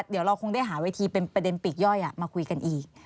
เดี๋ยวเราคงได้หาเวทีเป็นประเด็นปีกย่อยมาคุยกันอีก